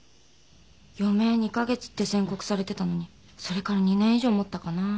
余命２か月って宣告されてたのにそれから２年以上もったかな。